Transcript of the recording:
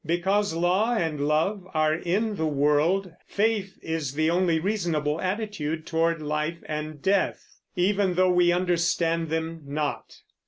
Because law and love are in the world, faith is the only reasonable attitude toward life and death, even though we understand them not.